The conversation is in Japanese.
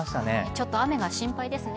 ちょっと雨が心配ですね。